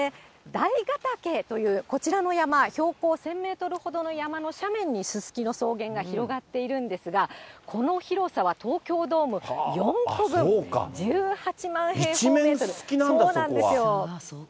台ヶ岳というこちらの山、標高１０００メートルほどの山の斜面にすすきの草原が広がっているんですが、この広さは東京ドーム４個分、１８万平方メートル、そうなんですよ。